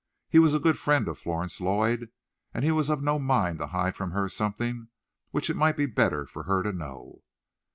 He was a good friend of Florence Lloyd, and he was of no mind to hide from her something which it might be better for her to know.